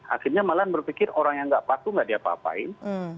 akhirnya malahan berpikir orang yang nggak patuh nggak diapa apain